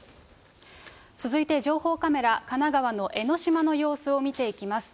続いて情報カメラ、神奈川の江の島の様子を見ていきます。